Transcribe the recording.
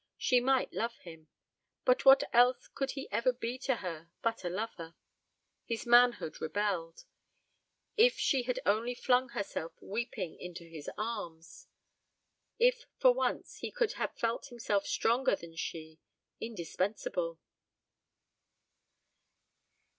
She might love him, but what else could he ever be to her but a lover? His manhood rebelled. If she had only flung herself weeping into his arms. If for once he could have felt himself stronger than she indispensable.